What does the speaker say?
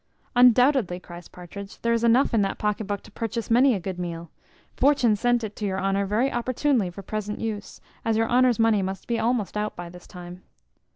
"Undoubtedly," cries Partridge, "there is enough in that pocket book to purchase many a good meal. Fortune sent it to your honour very opportunely for present use, as your honour's money must be almost out by this time."